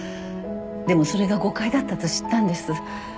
でもそれが誤解だったと知ったんです。